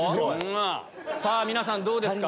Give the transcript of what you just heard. さぁ皆さんどうですか？